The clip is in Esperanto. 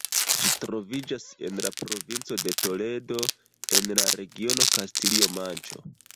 Ĝi troviĝas en la provinco de Toledo, en la regiono Kastilio-Manĉo.